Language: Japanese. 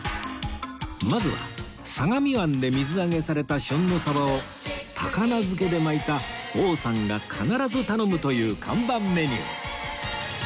まずは相模湾で水揚げされた旬の鯖を高菜漬けで巻いた王さんが必ず頼むという看板メニュー